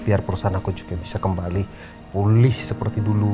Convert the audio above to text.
biar perusahaan aku juga bisa kembali pulih seperti dulu